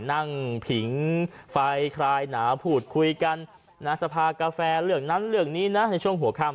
นั่งผิงไฟคลายหนาวพูดคุยกันสภากาแฟเรื่องนั้นเรื่องนี้นะในช่วงหัวค่ำ